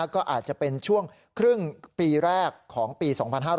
ก็อาจจะเป็นช่วงครึ่งปีแรกของปี๒๕๕๙